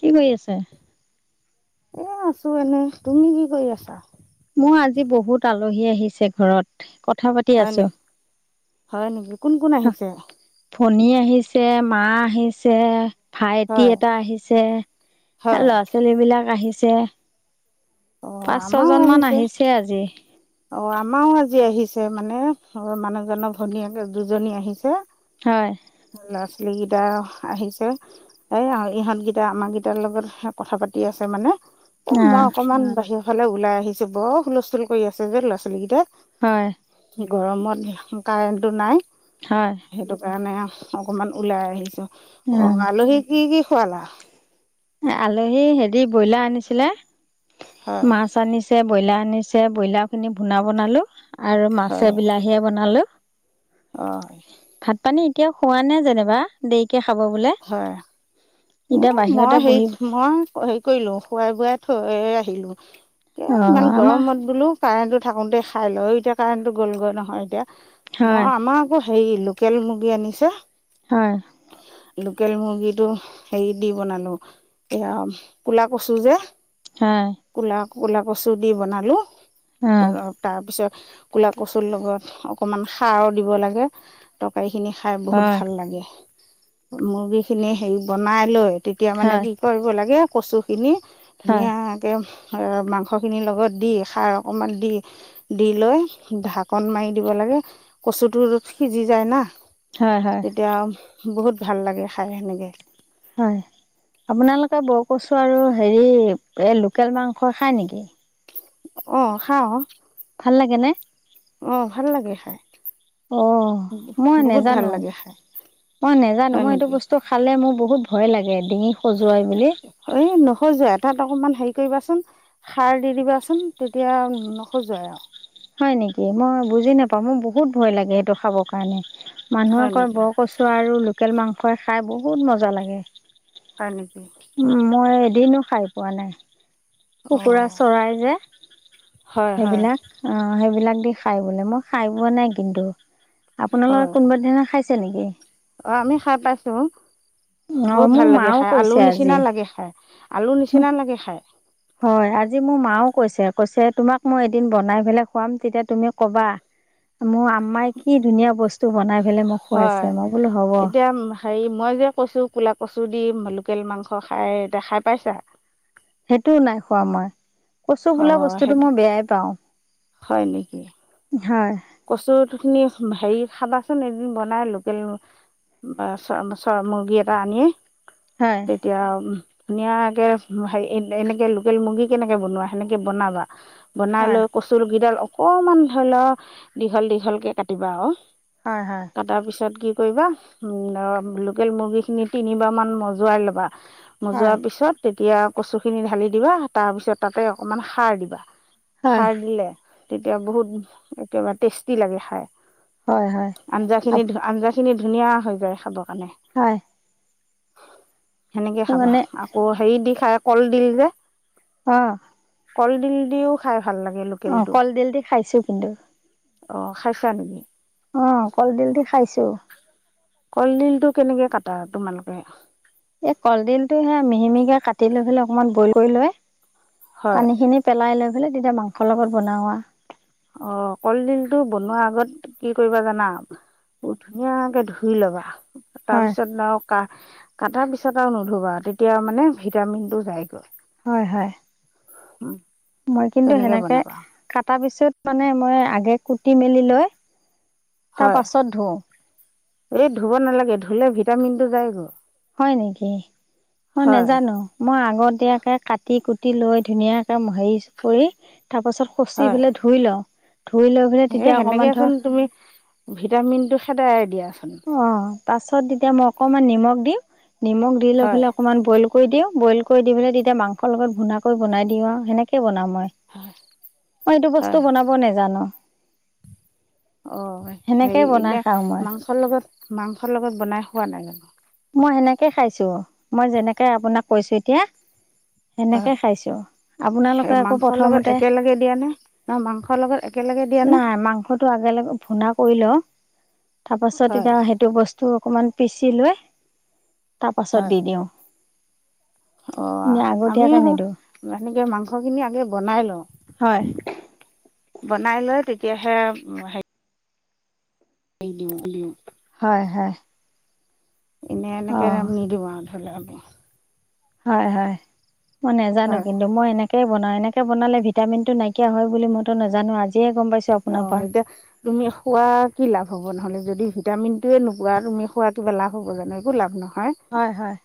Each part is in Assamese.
কি কৰি আছে? এ আছো এনে তুমি কি কৰি আছা। মোৰ আজি বহুত আলহী আহিছে ঘৰত কথা পাতি হয় আছো। নেকি হয় নেকি কোন কোন আহিছে? ভনী আহিছে মা আহিছে। ভাইটি হয় এটা আহিছে হয় ল'ৰা ছোৱালী বিলাক আহিছে। যে- অ পাঁচ ছ আমাৰও জন মান আহিছে আজি। অ' আমাৰও আজি আহিছে মানে অ মানুহ জক ভনীয়োকে দুজনী আহিছে। হয়। লৰা ছোৱালী কেইটা আহিছে এই আৰু ইহঁত গেইটা আমাৰ গেইটাৰ লগত কথা পাতি আছে মানে এ অ মই ' অকনমান বাহিৰৰ ফালে ওলাই আহিছো বৰ হুলস্থুল কৰি আছে যে ল'ৰা ছোৱালী কেইটাই। হয়। গৰমত কাৰেণ্টটো নাই। হয় সেইটো কাৰণে। অকমান ওলাই আহিছো। অ 'আলহী কি কি। খোৱালা। আলহী হেৰি ব্ৰইলাৰ আনিছিলে। হয় মাছ আনিছে। ব্ৰইলাৰ আনিছে ব্ৰইলাৰ খিনি ভুনা বনালো। আৰু মাছে হয় বিলাহীয়ে বনালো। অ' এতিয়াও খোৱা নে যেনিবা। দেৰিকৈ খাব বোলে এতিয়া হ বাহিৰত। মই হেৰি কৰিলো খুৱাই বুৱাই থৈ আহি। থ'লো এ ইমান অ' আমাৰ গৰমত বোলো কাৰেণ্টটো থাকোতে। খাই লয় এতিয়া কাৰেণ্টটো গ'লগৈ নহয় এতিয়া। হয় মই আমাৰ আকৌ হেৰি লোকে। লোকেল মুৰ্গী আনিছে। হয়। লোকেল মুৰ্গীটো হেৰি দি বনালো এয়া কোলা কছো যে হয় ক'লা ক'লা কচু দি বনালো। অ হ'ল আও, তাৰ পিছত ক'লা কচুৰ লগত অকমান সাৰ দিব লাগে, তৰকাৰি খিনি খাই বহুত হয় ভাল লাগে। মুৰ্গী খিনি হেৰিত বনাই লৈ তেতিয়া মানে হয় কি কৰিব লাগে কচুখিনি হয় ধুনীয়াকে মাংসখিনিৰ লগত দি, খাৰ অকণমান দি, দি লৈ ঢাকন মাৰি দিব লাগে, কচুটো সিজি যায় না। হয় হয় তেতিয়া বহুত ভাল লাগে খাই সেনেকে। হয়, আপোনালোকে বৰ কচু আৰু হেৰি, এই লোকেল মাংস খায় নেকি? অ' খাওঁ। ভাল লাগে নে? অ' ভাল লাগে খাই। অ', মই বহুত ভাল নেজানো, লাগে খাই মই নেজানো হয় মই সেইটো বস্তু খালে মোৰ বহুত ভয় ভয় লাগে। ডিঙি খজুৱাই বুলি ই নখজুৱায়, তাত অকমান হেৰি কৰিবাচোন, সাৰ দি দিবাচোন, তেতিয়া নখজুৱাই আৰু। হয় নেকি, মই বুজি নাপাওঁ, মোৰ বহুত ভয় লাগে সেইটো খাব কাৰণে। মানুহে হয় কয় নেকি বৰ কচু আৰু লোক লোকেল মাংসই খাই বহুত মজা লাগে। হয় নেকি? উম, মই এদিনো খাই পোৱা নাই। কুকুৰা অঁ চৰাই যে, হয় হয় সেইবিলাক। অ', সেইবিলাক দি খাই বোলে, মই খাই পোৱা নাই কিন্তু। হয় আপোনালোকে কোনোবা দিনা খাইছ ছে নেকি? অ', আমি খাই পাইছো। অ বহুত মোৰ ভাল লাগে মাও খাই, কৈছে আলুৰ নিচিনা আজি লাগে খাই। আলুৰ নিচিনা লাগে খাই। হয়, আজি মোৰ মাও কৈছে, কৈছে তোমাক মই এদিন বনাই পেলাই খুৱাম, তেতিয়া তুমি ক'বা, মোৰ আম্মাই কি ধুনীয়া বস্তু বনাই পেলাই মোক খুৱাইছে হয়, মই বোলো হ'ব এতিয়া হেৰি মই যে কৈছো কুলা কচু দি লোকেল মাংস খাই, এইটা খাই পাইছা? সেইটোও নাই খোৱা মই। কচু অ বোলা বস্তুতটো সেইটো মই বেয়াই পাওঁ হয় নেকি হয় কচু খিনি হেৰি খাবাচোন এদিন বনাই লোকেল চ চ মুৰ্গী এটা আনিয়ে হয় তেতিয়া উ ধুনীয়াকে হ এনেকে লোকেল মুৰ্গী কেনেকে বনোৱা সেনেকে বনাবা বনাই লৈ কচ কেইডাল কমান ধৰি ল দীঘল দীঘলকে কাটিবা আৰু হয় হয় কটাৰ পিছত গ কৰিবা লোকেল মুৰ্গীখিনি তিনিবাৰমান মজুৱাই ল'বা হয় মোজোৱাৰ পিছত তেতিয়া কচু খিনি ঢালি দিবা তাৰ পিছত তাতে অকনমান সাৰ দিবা হয় হাৰলে তেতিয়া বহুত া টেষ্টি লাগে খাই হয় হয় হয় আঞ্জা খিনি আঞ্জা খিনি ধুনীয়া হৈ যায় খাব মানে হয় সেনেকে খাবা মানে আকৌ হেৰি দি খাই কল দিল যে অ কলডিল দিও খাই ভাল লাগে অ কলডিল দি খাইছো কিন্তু অ খাইছা নেকি অ কলডিল দি খাইছো কলডিলটো কেনেকে কটা তোমালোকে এই কলডিলটো সে মিহি মিহিকে কাটি লৈ পলে অকমান বইল কৰি লয় হয় পানী খিনি পেলাই লৈ বলে তেতিয়া মাংসৰ লগত বনওঁোৱা অ কলডিলটো বনোৱা আগত কি কৰিবা জানা ধুনীয়াকে ধুই লবা তাৰ হয় পিছত আৰু ক কাটাৰ পিছ পচা এটাও নুধুবা আৰু তেতিয়া মানে ভিটামিনটো যায়গৈ হয় হয় উম, মই কিন্তু তেনেকে সেনেকে বনাবা কটা পিছত মানে মই আগে কুটি মেলি লৈ তাৰ হয় পাছত ধো এই ধুব নালাগে, ধুলে ভিটামিন টো যায় গৈ। হয়! নেকি, মই নজানো মই আগতীয়াকে কাটি কু কুতি লৈ ধুনীয়াকে হেৰি কৰি তাৰপাছত, খঁচি পেলাই ধুই লওঁ। ধুই লৈ পেলাই সেই তেতিয়া অকণমান ধৰ সেনেকেচোন তুমি, ভিটামিন টো খেদায় অ'! পাছত তেতিয়া মই অকমান নিমখ দিম। নিমখ দি লৈ হয় পেলাই অকমান বইল কৰি দিওঁ, বইল কৰি দিপেলাই তেতিয়া মাংসৰ লগত ভুনাকৈ বনাই দিওঁ আৰু সেনেকেই বনাওঁ মই। হয় মই এইটো বস্তু বনাব নোজানো। অ'! হেৰি সেনেকেই বনাই এতিয়া খাওঁ মই মাংসৰ লগত মাংসৰ লগত বনাই খোৱা নাই জানোঁ? মই সেনেকে খাইছোঁ। মই যেনেকে আপোনাক কৈছো এতিয়া। সেনেকে হয়! খাইছোঁ আপোনালোকে আকৌ মাংসৰ লগত প্ৰথমতে একেলগে দিয়া নে, নহয় মাংসৰ লগত একেলগে দিয়ানে নাই, মাংসটো একেলগে ভুনা কৰি লওঁ। অ'! তাৰপাছত হয় এতিয়া, সেইটো বস্তু অকমান পিচি লৈ তাৰ পাছত হয় দি দিওঁ। এনে অ'! আগতীয়াকে আমিও নিদিওঁ এনেকে মাংস খিনি আগে বনাই লওঁ। হয়! বনাইলৈ তেতিয়াহে সে সেই দিওঁ দিওঁ। হয়, হয়। এনে, এনেকে অ', আমি নিদিওঁ আৰু। [unintelligible] হয়, হয়। মই নাজানো হয় কিন্তু, মই এনে এনেকে বনাওঁ, এনেকে বনালে ভিটামিনটো নাইকিয়া হয় বুলি মইতো নাজানো আজি অ'! এতিয়া তুমি খোৱা কি লাভ হ'ব নহ'লে! যদি ভিটামিনটোৱে নোপোৱা, তুমি খোৱা কিবা লাভ হ'ব জানো! একো লাভ নহয়। হয়, হয়!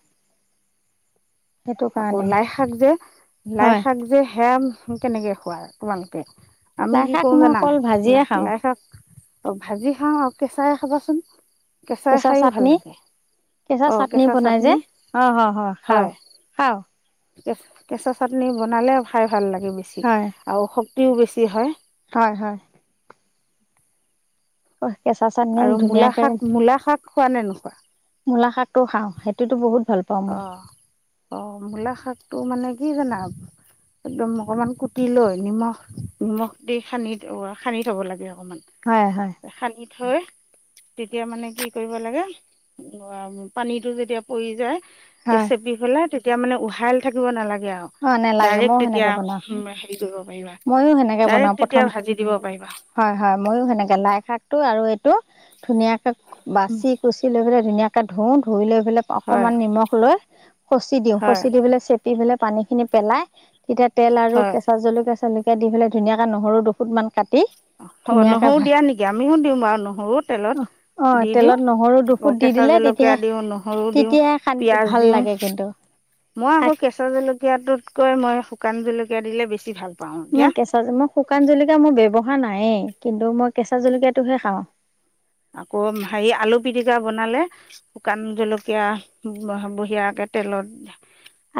সেইটো আকৌ, কাৰণেই লাই শাক যে, লাই হয় শাক যে কেনেকে খোৱা তোমালোকে? আমি লাই কি শাক কৰোঁ মই জানা? অকল ভাজিয়ে খাওঁ লাই শাক অ 'ভাজি খাওঁ আৰু কেঁচাইে খাবাচোন। কেঁচাই কেঁচা খায়ো ভাল চাটনি লাগে কেঁচা চাটনি বনাই যে অ' খাও। খাও। কে কেঁচা চাটনি বনালে খাই। ভাল লাগে বেছি হয় আৰু। ও বেছি হয়। হয় -হয় হয়। আৰু মূলা শাক মূলা শাক খোৱা নে নোখোৱা। মূলা শাকটো খাওঁ সেইটো বহুত। ভাল পাওঁ মই অ' অ' মূলা শাকটো মানে। সি জানা একদম অকণমান কুটি লৈ নিমখ নিমখ দি সানি সানি থ'ব লাগে আৰু। অকমান হয় হয় খালি। থৈ তেতিয়া মানে কি কৰিব লাগে পানীটো যেতিয়া পৰি যায়। হয় চেপি পেলায়। এতিয়া মানে উহাইল থাকিব নালাগে। আৰু অ' নেলাগে ডাইৰেক্ট ময়ও তেতিয়া সেনেকে বনাও হেৰি কৰিব পাৰিবা মইও সেনেকে ডাইৰেক্ট বনাও তেতিয়া প্ৰথম ভাজি দিব পাৰিবা হয় হয় মইও সেনেকে লাই শাকটো আৰু এইটো। ধুনীয়াকে বাচি কুচি লৈ পেলায়। ধুনীয়াকে ধুও ধুই লৈ। এইবিলাক হয় অকণমান নিমখ লৈ। খচি দিওঁ হয় খচি দি পেললৈ চে। এইফিলাক। পানী খিনি পেলাই। তেতিয়া তেল আৰু হয় কেঁচা জলকীয়া চলকিয়া। দি পেলাই ধুনীয়াকে নহৰু দুখতমান। অ 'নহৰু দিয়া নেকি আমিও দিওঁ বাৰু নহৰু তেলত অ' দি দিওঁ তেলত নহৰু দুফুট আকৌ দি কেঁচা দিলে জলকীয়া তেতিয়াহে দিওঁ নহৰু দিওঁ তেতিয়াহে শান্তি পিয়াজ ভাল দিওঁ লাগে কিন্তু মই শাক আকৌ কেঁচা জলকীয়া। জকীয়াটোতকৈ মই শুকান জলকীয়া দিলে বেছি ভাল পাওঁ। মই এতিয়া কেঁচা মই শুকান জলকিয়া মোৰ ব্যৱহাৰ নায়েই। কিন্তু মই কেঁচা জলকীয়াটোহে খাওঁ। আকৌ হেৰি আলু পিটিকা বনালে শুকান জলকীয়া বঢ়িয়াকে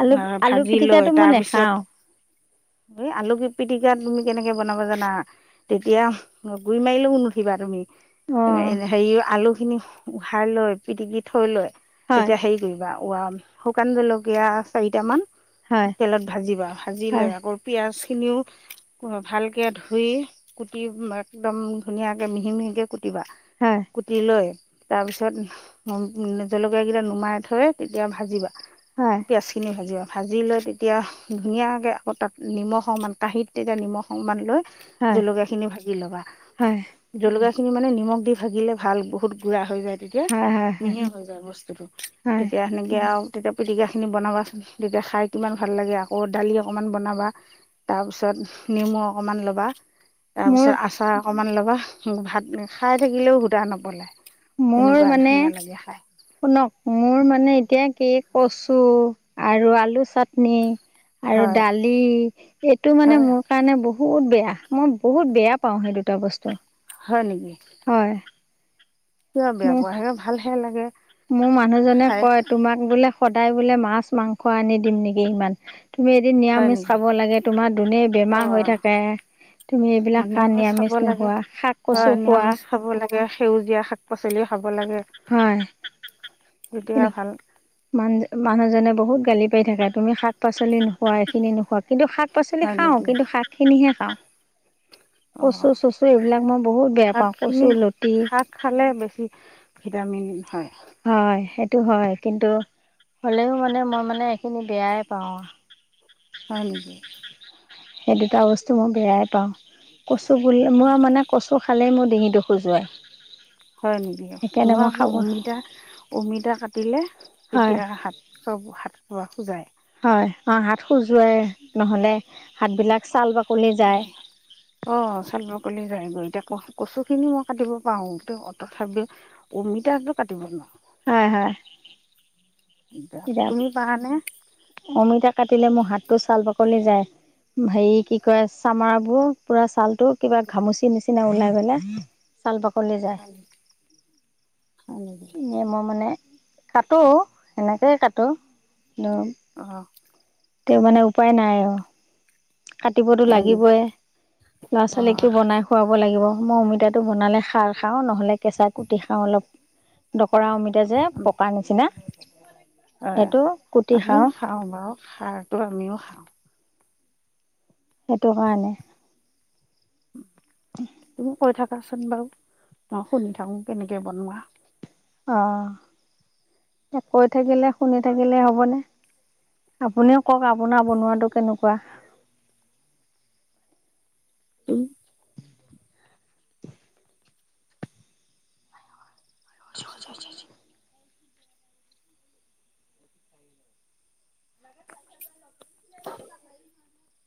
আলু আলু ভাজি পিটিকাটো লৈ মই তাৰ নেখাওঁ পিছত এই আলু কি পিটিক। তেতিয়া তুমি কেনেকে বনাব জানা তেতিয়া গুৰি মাৰিলেও নুঠিবা তুমি। অ' এ হেৰী আলু। খিনি উহাই লৈ পিটিকি থৈ লৈ। হয় তেতিয়া হেৰি কৰিবা ৱ-শুকান জলকীয়া চাৰিটামান হয় তেলত ভাজিবা, ভাজি লৈ হয়, আকৌ পিয়াজ ভালকে ধুই কুটি একদম ধুনীয়াকে মিহি - মিহিকে কু কুতিবা হয়, কুটি লৈ তাৰ পিছত-জলকীয়া কেইটা নুমাই থৈ তেতিয়া ভাজিবা। হয়, পিয়াজ খিনি ভাজিবা ভাজি লৈ তেতিয়া ধুনীয়াকে আকৌ তাত নিমখ-অকণমান কাঁহীত তেতিয়া নিমখ অকণমান লৈ হয়, জলকীয়া খিনি ভাজি ল'বা, হয়, জলকাীয়া খিনি মানে নিমখ দি ভাজিলে ভাল বহুত গুড়া হৈ যায় তেতিয়া হয়, হয়, হয়, মিহি হৈ যায় বস্তুতটো। হয়, তেতিয়া সেনেকে আৰু তেতিয়া পিটিকাখিনি বনাবাচোন তেতিয়া খাই কিমান ভাল লাগে আকৌ ডালি অকণমান বনাবা তাৰপিছত নেমু অকণমান ল'বা মোৰ তাৰপিছত আচাৰ অকনমান ল'বা উম ', ভাত খাই থাকিলেও হুতাহ নপলাই। মোৰ মানে, শুনক মোৰ মানে এতিয়া কি কচু আৰু আলু চাটনি আৰু হয় ডালি এইটো মানে হয় মোৰ কাৰণে বহুত বে মই বহুত বেয়া পাওঁ সেই দুটা বস্তু। হয় নেকি? হয় কিয় বেয়া মোৰ পোৱা হেতু ভালহে লাগে। মোৰ মানুহজনে খাই কয় তোমাক বোলে সদায় বোলে মাছ-মাংস আনি দিম নেকি ইমান। তুমি এদিন হয় নিৰামিষ নেকি খাব লাগে তোমাৰ অ বেমাৰ হৈ থাকে। তুমি এইবিলাক নিৰামিষ খাব খা-নিৰামিষ লাগে নোখোৱা হয় শাক-কচু খোৱা। নিৰামিষ খাব লাগে সেউজীয়া শাক পাচলি খাব লাগে হয় তেতিয়া ভাল। ম-মানুহজনে বহুত গালি পাৰি থাকে তুমি শাক-পাচলি নোখোৱা, এইখিনি নোখোৱা কিন্তু শাক পাচলি হয় খাওঁ কিন্তু শাকখিনিহে অহ ', অহ', - অহ', বেয়া শাক পাওঁ কচু খিনি, লতি শাক খালে বেছি ভিটামিন হয়। হয় সেইটো হয় কিন্তু, হ'লেও মানে মই মানে এইখিনি বেয়াই পাওঁ। হয় নেকি সেই দুটা বস্তু মই বেয়াই পাওঁ কচ বুলিলে মই মানে কচ চৌ খালেই মোৰ ডিঙিটো খোজোৱাই। হয় নেকি? মোৰ আকৌ অমিতা অমিতা কাটিলে হয় তেতিয়া‌ হাত খ হাত ৰোৱা খোজায় অ' হাত খজোৱাই নহলে হাত বিলাক চাল বা অ, চাল বাকলি যায় গৈ তাক ক কচু খিনি মই কাটিব পাৰো। তথাপি অমিতাটো কাটিব নোৱাৰো। হয়, হয়'। এতিয়া কিতাপ, তুমি পাৰানে অমিতা কাটিলে মোৰ হাত টো ছাল বাকলি যায়। হেৰি কি কয় চামৰা বোৰ পুৰা ছাল টো কিবা ঘামুচি নিচিনা ওলাই গলে চাল বা ফুলি যায়। হয় নেকি মই মানে কাটো, সেনেকেই কাটো অহ '। তে মানে উপায় নাই আৰু কাটিবতো হয় নেকি লাগিবই। ল'ৰা ছোৱালীক অঁ টো বনাই খুৱাব লাগিব। মই অমিতাটো বনালে খাৰ খাওঁ। নহলে কেঁচা কুটি খাওঁ অলপ পৰা অমিত যে পকা নিচিনা, সেইটো কুটি খাওঁ সাৰতটো আমিও খাওঁ। সেইটো কাৰণে। তুমি কৈ থাকাচোন বাৰু। মই শুনি থাকো কেনেকে বনোৱা। অহ, কৈ থাকিলে শুনি থাকিলে হ'বনে। আপুনিও কওক আপোনাৰ বনোৱাটো কেনেকুৱা? উম'। [inaudible] [inaudible]